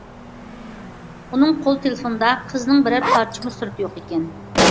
ئۇنىڭ قول تېلېفونىدا قىزىنىڭ بىرەر پارچىمۇ سۈرىتى يوق ئىكەن.